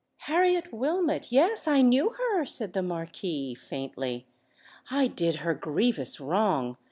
"Harriet Wilmot!—yes—I knew her," said the Marquis, faintly: "I did her grievous wrong!